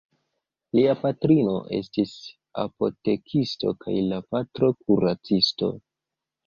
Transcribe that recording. Lia patrino estis apotekisto kaj la patro kuracisto.